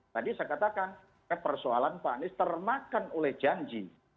tadi saya katakan persoalan pak anies termakan oleh janji